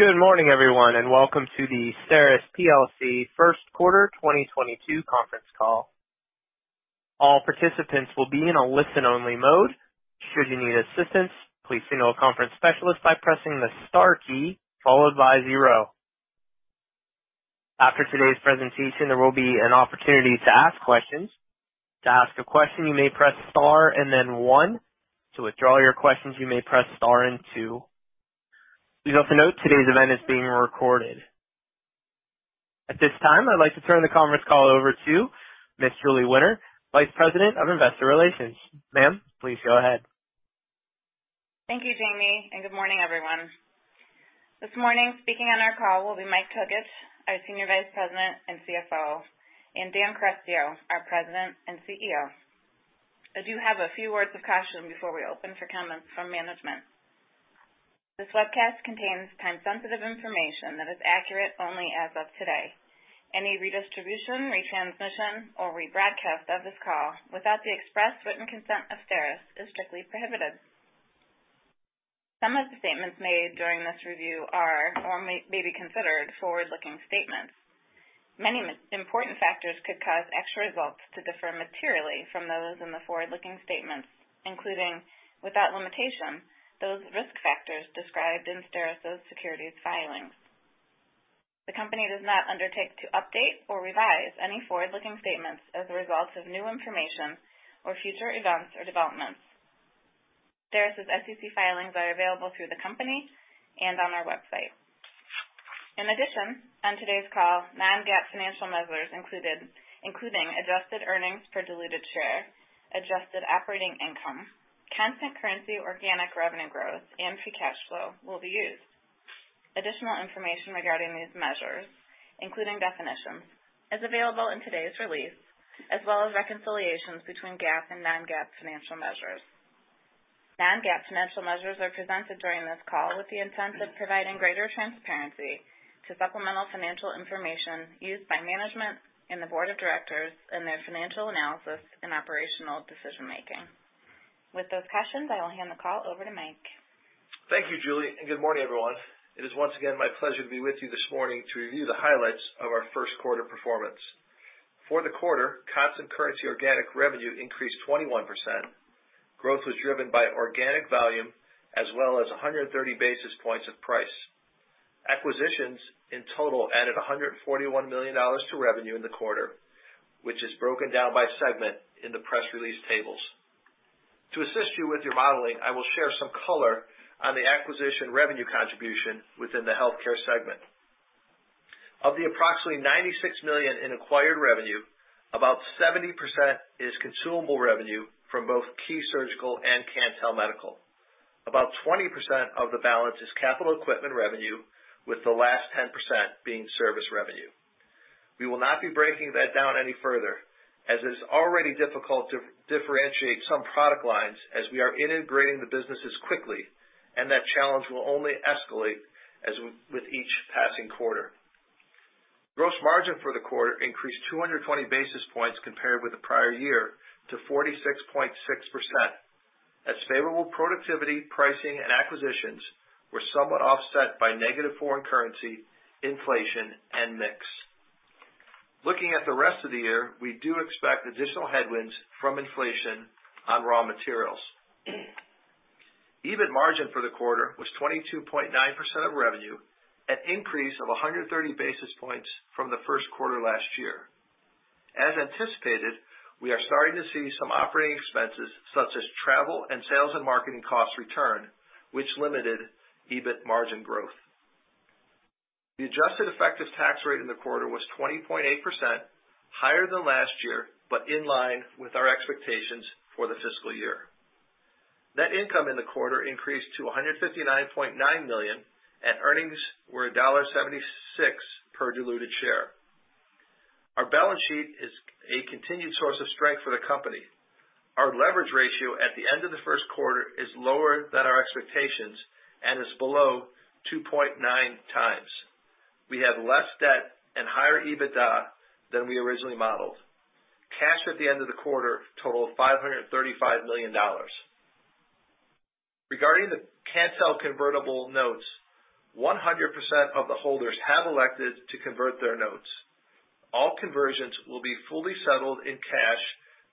Good morning, everyone, and welcome to the STERIS plc first quarter 2022 conference call. All participants will be in a listen-only mode. Should you need assistance, please signal a conference specialist by pressing the star key, followed by zero. After today's presentation, there will be an opportunity to ask questions. To ask a question, you may press star and then one. To withdraw your questions, you may press star and two. Please also note, today's event is being recorded. At this time, I'd like to turn the conference call over to Ms. Julie Winter, Vice President of Investor Relations. Ma'am, please go ahead. Thank you, Jamie, and good morning, everyone. This morning, speaking on our call will be Mike Tokich, our Senior Vice President and CFO, and Dan Carestio, our President and CEO. I do have a few words of caution before we open for comments from management. This webcast contains time-sensitive information that is accurate only as of today. Any redistribution, retransmission, or rebroadcast of this call without the express written consent of STERIS is strictly prohibited. Some of the statements made during this review are, or may be considered, forward-looking statements. Many important factors could cause actual results to differ materially from those in the forward-looking statements, including, without limitation, those risk factors described in STERIS' securities filings. The company does not undertake to update or revise any forward-looking statements as a result of new information or future events or developments. STERIS' SEC filings are available through the company and on our website. In addition, on today's call, non-GAAP financial measures, including adjusted earnings per diluted share, adjusted operating income, constant currency organic revenue growth, and free cash flow will be used. Additional information regarding these measures, including definitions, is available in today's release, as well as reconciliations between GAAP and non-GAAP financial measures. Non-GAAP financial measures are presented during this call with the intent of providing greater transparency to supplemental financial information used by management and the board of directors in their financial analysis and operational decision-making. With those cautions, I will hand the call over to Mike. Thank you, Julie, and good morning, everyone. It is once again my pleasure to be with you this morning to review the highlights of our first quarter performance. For the quarter, constant currency organic revenue increased 21%. Growth was driven by organic volume as well as 130 basis points of price. Acquisitions in total added $141 million to revenue in the quarter, which is broken down by segment in the press release tables. To assist you with your modeling, I will share some color on the acquisition revenue contribution within the healthcare segment. Of the approximately $96 million in acquired revenue, about 70% is consumable revenue from both Key Surgical and Cantel Medical. About 20% of the balance is capital equipment revenue, with the last 10% being service revenue. We will not be breaking that down any further, as it is already difficult to differentiate some product lines as we are integrating the businesses quickly, and that challenge will only escalate with each passing quarter. Gross margin for the quarter increased 220 basis points compared with the prior year to 46.6%, as favorable productivity, pricing, and acquisitions were somewhat offset by negative foreign currency, inflation, and mix. Looking at the rest of the year, we do expect additional headwinds from inflation on raw materials. EBIT margin for the quarter was 22.9% of revenue, an increase of 130 basis points from the first quarter last year. As anticipated, we are starting to see some operating expenses such as travel and sales and marketing costs return, which limited EBIT margin growth. The adjusted effective tax rate in the quarter was 20.8%, higher than last year, but in line with our expectations for the fiscal year. Net income in the quarter increased to $159.9 million, and earnings were $1.76 per diluted share. Our balance sheet is a continued source of strength for the company. Our leverage ratio at the end of the first quarter is lower than our expectations and is below 2.9 times. We have less debt and higher EBITDA than we originally modeled. Cash at the end of the quarter totaled $535 million. Regarding the Cantel convertible notes, 100% of the holders have elected to convert their notes. All conversions will be fully settled in cash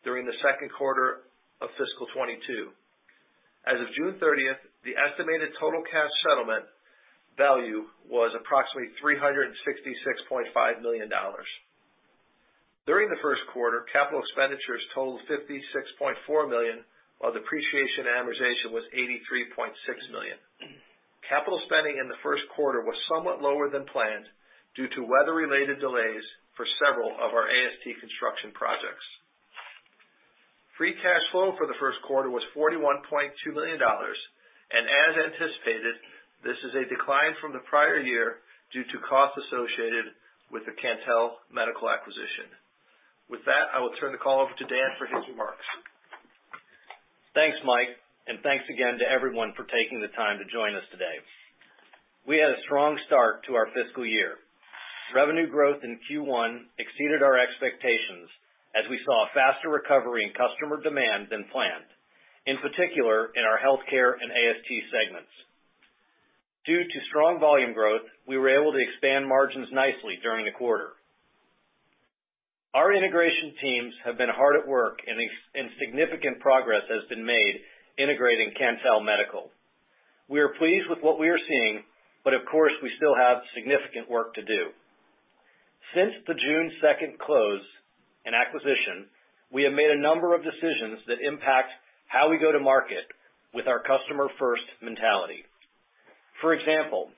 during the second quarter of fiscal 2022. As of June 30th, the estimated total cash settlement value was approximately $366.5 million. During the first quarter, capital expenditures totaled $56.4 million, while depreciation and amortization was $83.6 million. Capital spending in the first quarter was somewhat lower than planned due to weather-related delays for several of our AST construction projects. Free cash flow for the first quarter was $41.2 million. As anticipated, this is a decline from the prior year due to costs associated with the Cantel Medical acquisition. With that, I will turn the call over to Dan for his remarks. Thanks, Mike, and thanks again to everyone for taking the time to join us today. We had a strong start to our fiscal year. Revenue growth in Q1 exceeded our expectations as we saw a faster recovery in customer demand than planned, in particular in our healthcare and AST segments. Due to strong volume growth, we were able to expand margins nicely during the quarter. Our integration teams have been hard at work, and significant progress has been made integrating Cantel Medical. We are pleased with what we are seeing, but of course, we still have significant work to do. Since the June 2nd close and acquisition, we have made a number of decisions that impact how we go to market with our customer-first mentality. For example,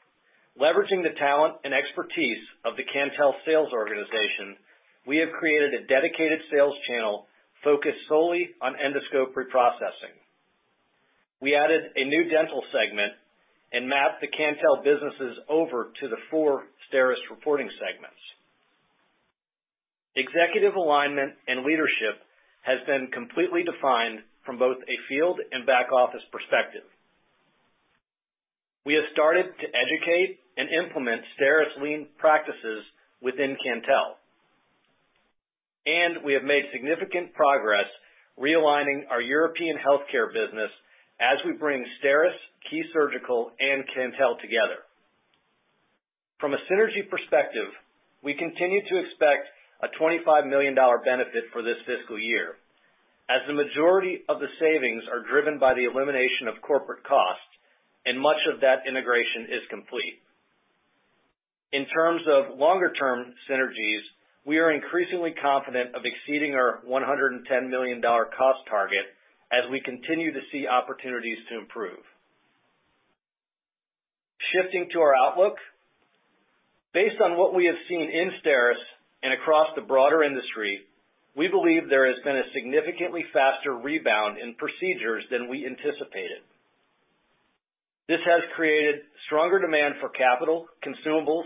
leveraging the talent and expertise of the Cantel sales organization, we have created a dedicated sales channel focused solely on endoscope reprocessing. We added a new dental segment and mapped the Cantel businesses over to the four STERIS reporting segments. Executive alignment and leadership has been completely defined from both a field and back office perspective. We have started to educate and implement STERIS lean practices within Cantel. We have made significant progress realigning our European healthcare business as we bring STERIS, Key Surgical, and Cantel together. From a synergy perspective, we continue to expect a $25 million benefit for this fiscal year, as the majority of the savings are driven by the elimination of corporate costs, and much of that integration is complete. In turns of longer-term synergies, we are increasingly confident of exceeding our $110 million cost target as we continue to see opportunities to improve. Shifting to our outlook. Based on what we have seen in STERIS and across the broader industry, we believe there has been a significantly faster rebound in procedures than we anticipated. This has created stronger demand for capital, consumables,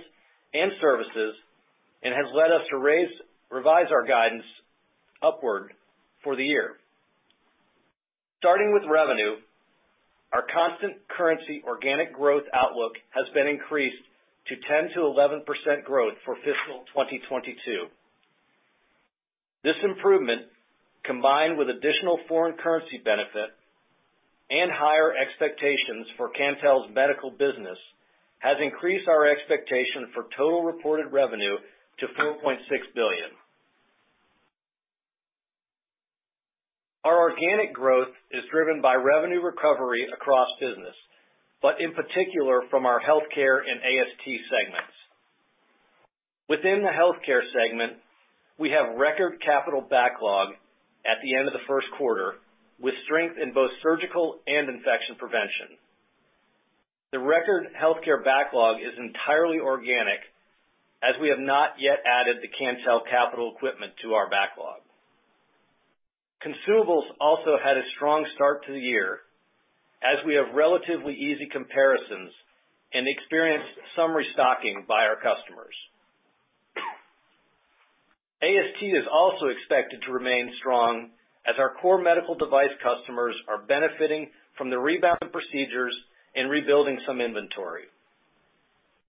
and services, and has led us to revise our guidance upward for the year. Starting with revenue, our constant currency organic growth outlook has been increased to 10%-11% growth for fiscal 2022. This improvement, combined with additional foreign currency benefit and higher expectations for Cantel Medical business, has increased our expectation for total reported revenue to $4.6 billion. Our organic growth is driven by revenue recovery across business, but in particular from our healthcare and AST segments. Within the healthcare segment, we have record capital backlog at the end of the first quarter, with strength in both surgical and infection prevention. The record healthcare backlog is entirely organic, as we have not yet added the Cantel capital equipment to our backlog. Consumables also had a strong start to the year, as we have relatively easy comparisons and experienced some restocking by our customers. AST is also expected to remain strong as our core medical device customers are benefiting from the rebound procedures and rebuilding some inventory.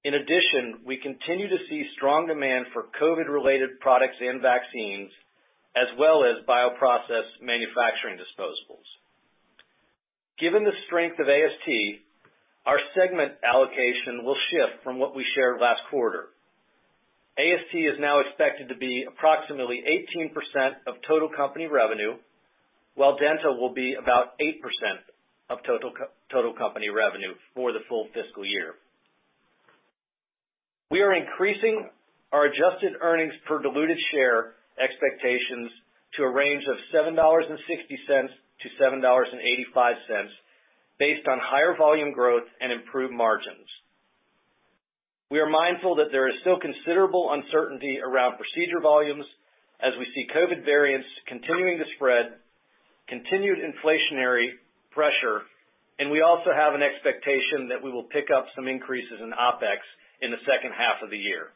In addition, we continue to see strong demand for COVID-related products and vaccines, as well as bioprocess manufacturing disposables. Given the strength of AST, our segment allocation will shift from what we shared last quarter. AST is now expected to be approximately 18% of total company revenue, while dental will be about 8% of total company revenue for the full fiscal year. We are increasing our adjusted earnings per diluted share expectations to a range of $7.60-$7.85, based on higher volume growth and improved margins. We are mindful that there is still considerable uncertainty around procedure volumes as we see COVID variants continuing to spread, continued inflationary pressure, and we also have an expectation that we will pick up some increases in OpEx in the second half of the year.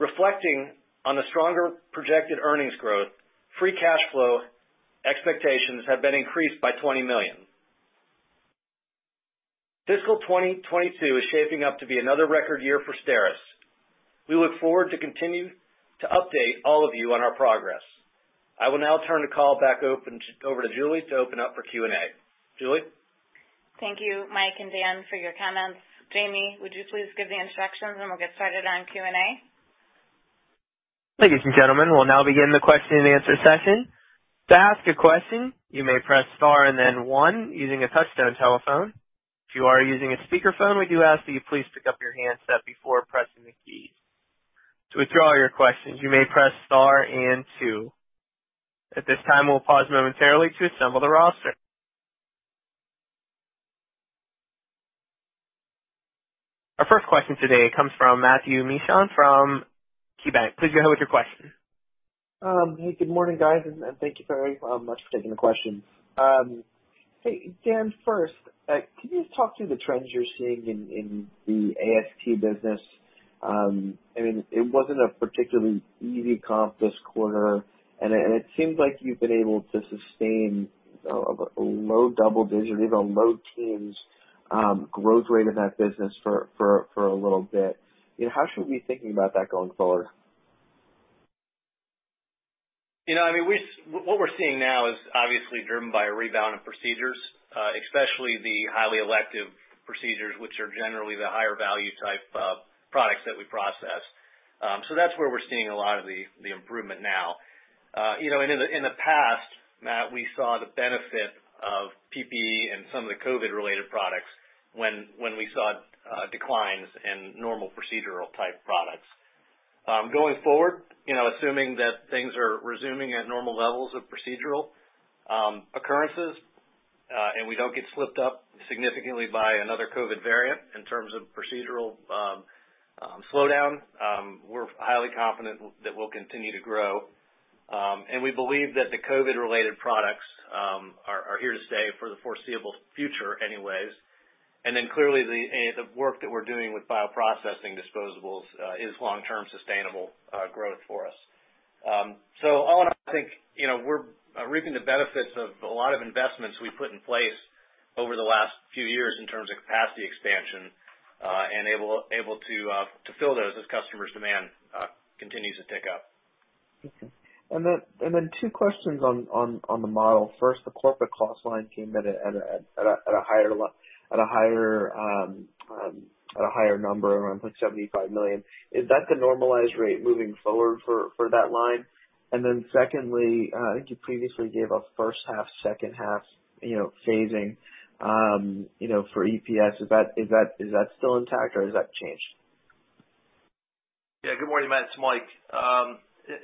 Reflecting on the stronger projected earnings growth, free cash flow expectations have been increased by $20 million. Fiscal 2022 is shaping up to be another record year for STERIS. We look forward to continue to update all of you on our progress. I will now turn the call back over to Julie to open up for Q&A. Julie? Thank you, Mike and Dan, for your comments. Jamie, would you please give the instructions, and we'll get started on Q&A? Ladies and gentlemen, we'll now begin the question-and-answer session. To ask a question, you may press star and then one using a touch-tone telephone. If you are using a speakerphone, we do ask that you please pick up your handset before pressing the keys. To withdraw your questions, you may press star and two. At this time, we'll pause momentarily to assemble the roster. Our first question today comes from Matthew Mishan from KeyBanc. Please go ahead with your question. Good morning, guys, thank you very much for taking the question. Hey, Dan, first, can you just talk through the trends you're seeing in the AST business? It wasn't a particularly easy comp this quarter, it seems like you've been able to sustain a low double digit, even a low teens growth rate in that business for a little bit. How should we be thinking about that going forward? What we're seeing now is obviously driven by a rebound in procedures, especially the highly elective procedures, which are generally the higher value type of products that we process. That's where we're seeing a lot of the improvement now. In the past, Matt, we saw the benefit of PPE and some of the COVID related products when we saw declines in normal procedural type products. Going forward, assuming that things are resuming at normal levels of procedural occurrences, and we don't get slipped up significantly by another COVID variant in terms of procedural slowdown, we're highly confident that we'll continue to grow. We believe that the COVID related products are here to stay for the foreseeable future anyways. Clearly, the work that we're doing with bioprocessing disposables is long-term sustainable growth for us. All in all, I think, we're reaping the benefits of a lot of investments we put in place over the last few years in terms of capacity expansion, and able to fill those as customers' demand continues to tick up. Okay. Two questions on the model. First, the corporate cost line came at a higher number, around $75 million. Is that the normalized rate moving forward for that line? Secondly, I think you previously gave a first half, second half phasing for EPS. Is that still intact or has that changed? Good morning, Matt, it's Mike.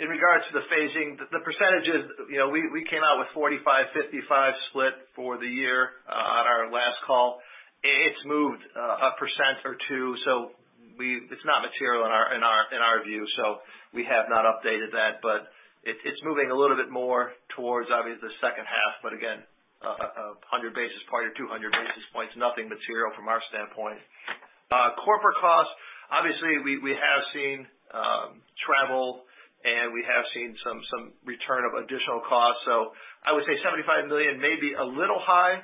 In regards to the phasing, the percentages, we came out with 45/55 split for the year on our last call. It's moved 1% or 2%, it's not material in our view. We have not updated that. It's moving a little bit more towards, obviously, the second half, but again, 100 basis point or 200 basis points, nothing material from our standpoint. Corporate cost, obviously we have seen travel and we have seen some return of additional cost. I would say $75 million may be a little high.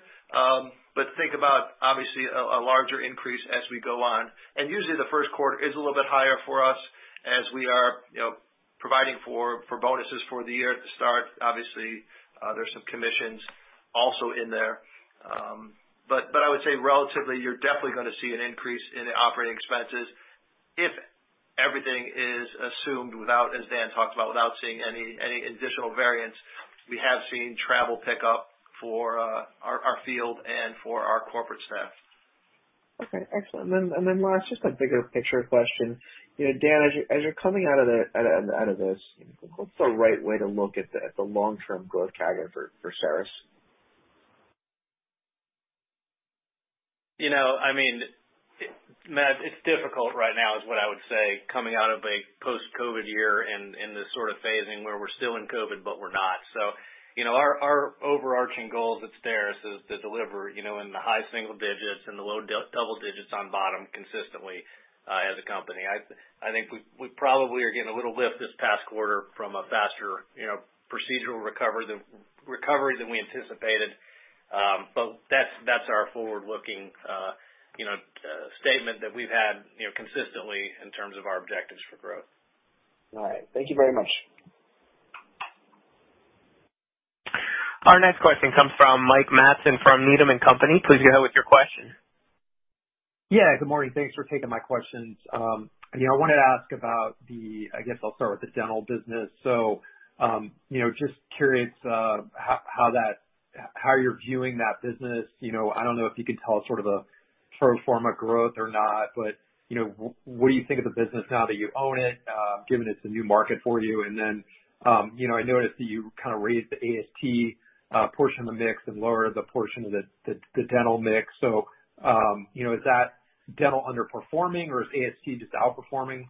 Think about, obviously, a larger increase as we go on. Usually the first quarter is a little bit higher for us as we are providing for bonuses for the year at the start. Obviously, there's some commissions also in there. I would say relatively, you're definitely going to see an increase in the operating expenses if everything is assumed without, as Dan talked about, without seeing any additional variants. We have seen travel pick up for our field and for our corporate staff. Okay, excellent. Last, just a bigger picture question. Dan, as you're coming out of this, what's the right way to look at the long-term growth CAGR for STERIS? Matt, it's difficult right now is what I would say, coming out of a post-COVID year in this sort of phasing where we're still in COVID, we're not. Our overarching goals at STERIS is to deliver in the high single digits and the low double digits on bottom consistently as a company. I think we probably are getting a little lift this past quarter from a faster procedural recovery than we anticipated. That's our forward-looking statement that we've had consistently in terms of our objectives for growth. All right, thank you very much. Our next question comes from Mike Matson from Needham & Company. Please go ahead with your question. Yeah, good morning. Thanks for taking my questions. I wanted to ask about, I guess I'll start with the dental business. Just curious how you're viewing that business. I don't know if you can tell us sort of a pro forma growth or not, but what do you think of the business now that you own it, given it's a new market for you? I noticed that you kind of raised the AST portion of the mix and lowered the portion of the dental mix. Is that dental underperforming or is AST just outperforming?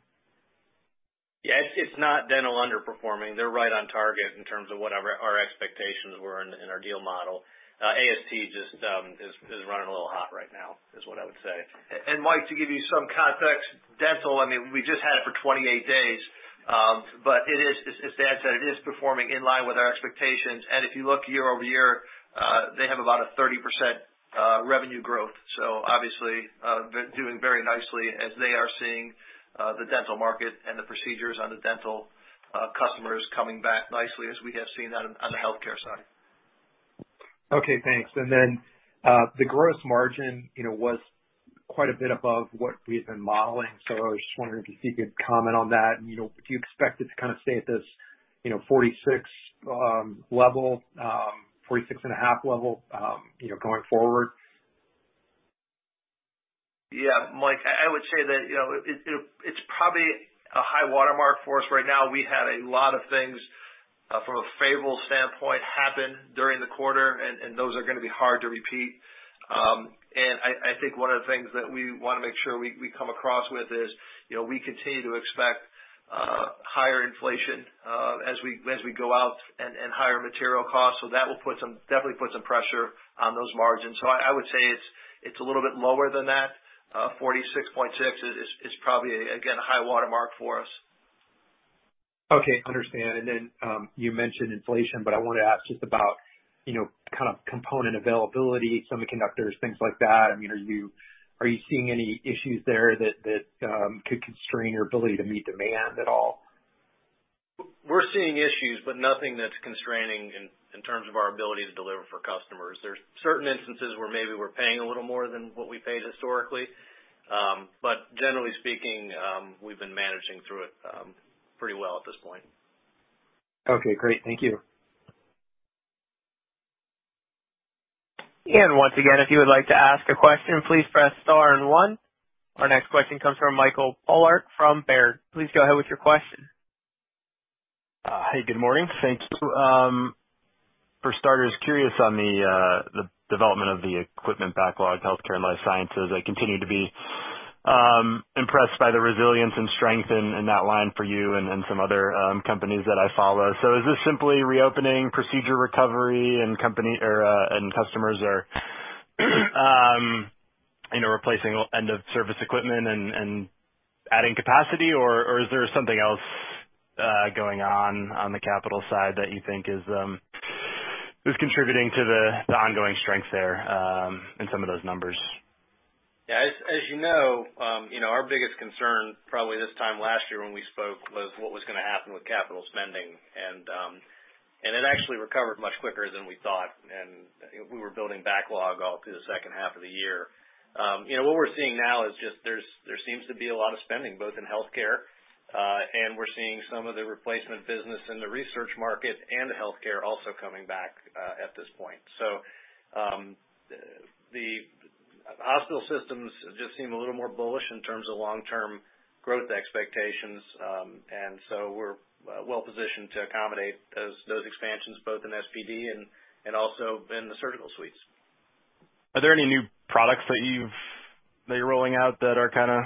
Yeah, it's not dental underperforming. They're right on target in terms of what our expectations were in our deal model. AST just is running a little hot right now is what I would say. Mike, to give you some context, dental, we just had it for 28 days. As Dan said, it is performing in line with our expectations. If you look year-over-year, they have about a 30% revenue growth. Obviously, doing very nicely as they are seeing the dental market and the procedures on the dental customers coming back nicely as we have seen on the healthcare side. Okay, thanks. The gross margin was quite a bit above what we've been modeling. I was just wondering if you could comment on that. Do you expect it to kind of stay at this 46.5% level going forward? Mike, I would say that it's probably a high watermark for us right now. We had a lot of things from a favorable standpoint happen during the quarter, and those are going to be hard to repeat. I think one of the things that we want to make sure we come across with is, we continue to expect higher inflation as we go out and higher material costs. That will definitely put some pressure on those margins. I would say it's a little bit lower than that. 46.6% is probably, again, a high watermark for us. Okay, understand. You mentioned inflation, but I wanted to ask just about component availability, semiconductors, things like that. Are you seeing any issues there that could constrain your ability to meet demand at all? We're seeing issues, but nothing that's constraining in terms of our ability to deliver for customers. There's certain instances where maybe we're paying a little more than what we paid historically. Generally speaking, we've been managing through it pretty well at this point. Okay, great. Thank you. Once again, if you would like to ask a question, please press star and one. Our next question comes from Michael Polark from Baird. Please go ahead with your question. Hey, good morning. Thank you. For starters, curious on the development of the equipment backlog, healthcare and life sciences. I continue to be impressed by the resilience and strength in that line for you and some other companies that I follow. Is this simply reopening procedure recovery and customers are replacing end-of-service equipment and adding capacity, or is there something else going on the capital side that you think is contributing to the ongoing strength there in some of those numbers? As you know, our biggest concern probably this time last year when we spoke, was what was going to happen with capital spending. It actually recovered much quicker than we thought, and we were building backlog all through the second half of the year. What we're seeing now is just there seems to be a lot of spending both in healthcare, and we're seeing some of the replacement business in the research market and healthcare also coming back, at this point. The hospital systems just seem a little more bullish in terms of long-term growth expectations. We're well positioned to accommodate those expansions both in SPD and also in the surgical suites. Are there any new products that you're rolling out that are kind of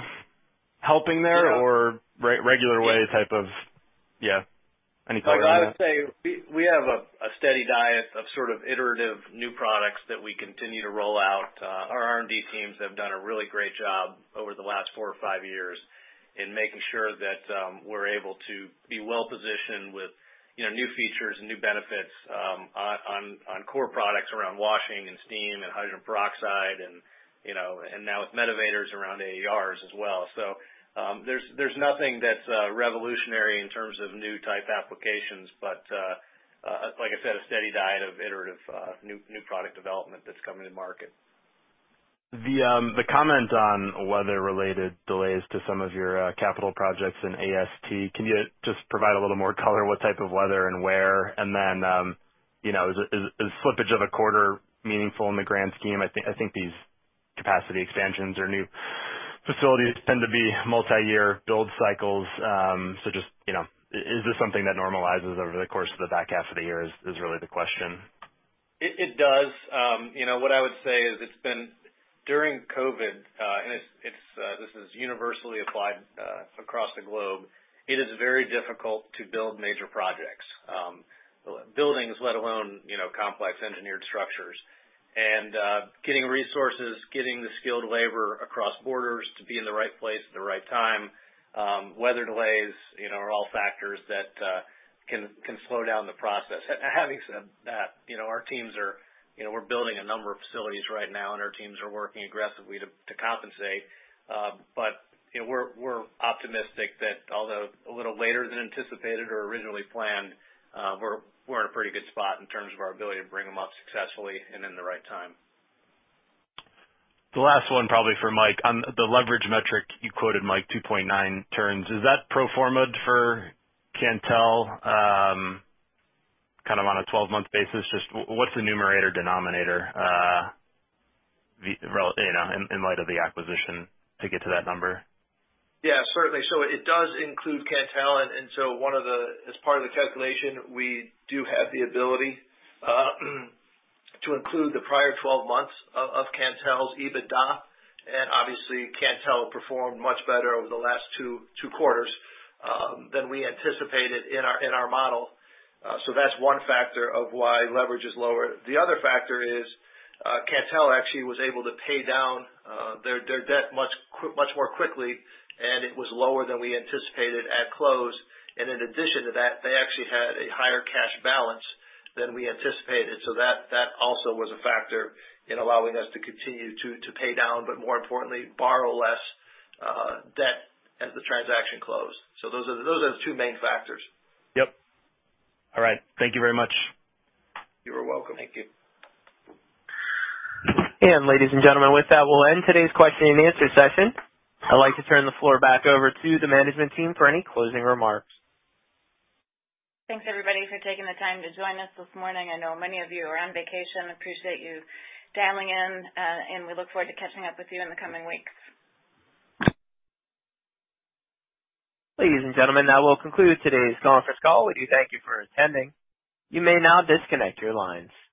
helping there or regular way type of? Yeah. Any color on that? Look, I would say we have a steady diet of sort of iterative new products that we continue to roll out. Our R&D teams have done a really great job over the last four or five years in making sure that we're able to be well positioned with new features, new benefits, on core products around washing and steam and hydrogen peroxide and now with MEDIVATORS around AERs as well. There's nothing that's revolutionary in terms of new type applications. Like I said, a steady diet of iterative new product development that's coming to market. The comment on weather-related delays to some of your capital projects in AST, can you just provide a little more color what type of weather and where? Is slippage of a quarter meaningful in the grand scheme? I think these capacity expansions or new facilities tend to be multi-year build cycles. Just is this something that normalizes over the course of the back half of the year is really the question. It does. What I would say is it's been during COVID, this is universally applied across the globe. It is very difficult to build major projects, buildings, let alone complex engineered structures. Getting resources, getting the skilled labor across borders to be in the right place at the right time, weather delays are all factors that can slow down the process. Having said that, we're building a number of facilities right now, and our teams are working aggressively to compensate. We're optimistic that although a little later than anticipated or originally planned, we're in a pretty good spot in terms of our ability to bring them up successfully and in the right time. The last one probably for Mike. On the leverage metric you quoted Mike, 2.9 terms, is that pro forma for Cantel, kind of on a 12-month basis, just what's the numerator denominator in light of the acquisition to get to that number? Yeah, certainly. It does include Cantel, and so as part of the calculation, we do have the ability to include the prior 12 months of Cantel's EBITDA. Obviously Cantel performed much better over the last two quarters, than we anticipated in our model. That's one factor of why leverage is lower. The other factor is Cantel actually was able to pay down their debt much more quickly, and it was lower than we anticipated at close. In addition to that, they actually had a higher cash balance than we anticipated. That also was a factor in allowing us to continue to pay down, but more importantly, borrow less debt as the transaction closed. Those are the two main factors. Yep. All right. Thank you very much. You are welcome. Thank you. Ladies and gentlemen, with that, we'll end today's question-and-answer session. I'd like to turn the floor back over to the management team for any closing remarks. Thanks everybody for taking the time to join us this morning. I know many of you are on vacation. Appreciate you dialing in, we look forward to catching up with you in the coming weeks. Ladies and gentlemen, that will conclude today's conference call. We do thank you for attending. You may now disconnect your lines.